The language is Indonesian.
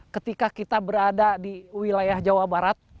ketika kita berada di wilayah jawa barat